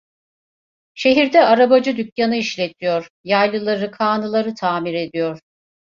Şehirde arabacı dükkanı işletiyor, yaylıları, kağnıları tamir ediyor.